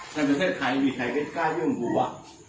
ฉันเป็นเจ้าไทยไม่เป็นใครก็ได้กล้ายพี่หลุ่นกูปะ